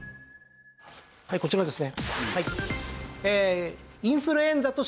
はいこちらですね。